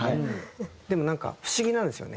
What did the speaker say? でもなんか不思議なんですよね。